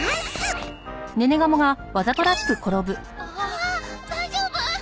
あっ大丈夫？